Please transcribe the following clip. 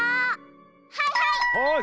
はいはい！